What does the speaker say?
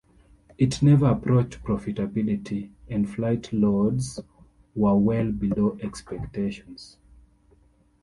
It never approached profitability, and flight loads were well below expectations.